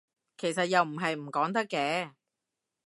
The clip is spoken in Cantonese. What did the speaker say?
其實又唔係唔講得嘅